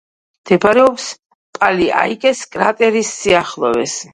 მდებარეობს პალი-აიკეს კრატერის სიახლოვეს.